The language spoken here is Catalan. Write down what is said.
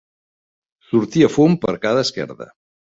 Sortia fum per cada esquerda.